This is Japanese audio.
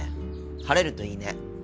晴れるといいね。